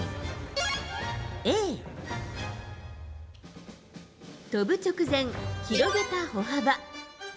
Ａ、跳ぶ直前広げた歩幅。